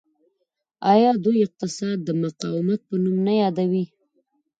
آیا دوی اقتصاد د مقاومت په نوم نه یادوي؟